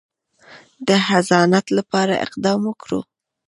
د حفاظت لپاره اقدامات وکړو.